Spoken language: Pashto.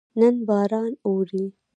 نن باران اوري